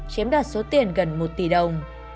chiếm đạt số tiền gần một tỷ đồng